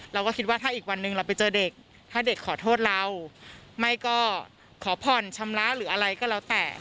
เราก็คิดว่าถ้าอีกวันหนึ่งเราไปเจอเด็กถ้าเด็กขอโทษเราไม่ก็ขอผ่อนชำระหรืออะไรก็แล้วแต่